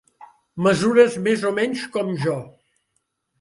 Mesures més o menys com jo.